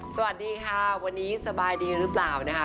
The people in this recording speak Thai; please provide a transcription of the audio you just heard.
สวัสดีค่ะวันนี้สบายดีหรือเปล่านะคะ